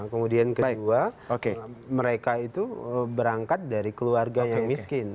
kemudian kedua mereka itu berangkat dari keluarga yang miskin